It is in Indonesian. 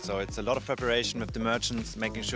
jadi itu banyak persiapan dengan para pengguna